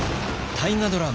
大河ドラマ